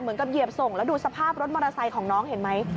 เหยียบส่งแล้วดูสภาพรถมอเตอร์ไซค์ของน้องเห็นไหม